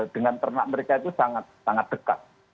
dengan ternak mereka itu sangat sangat dekat